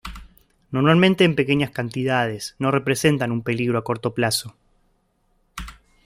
Normalmente en pequeñas cantidades, no representan un peligro a corto plazo.